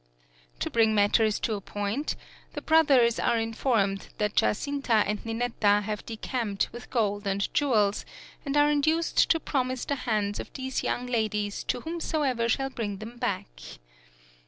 To bring matters to a point the brothers are informed that Giacinta and Ninetta have decamped with gold and jewels, and are induced to promise the hands of these young ladies to whomsoever shall bring them back.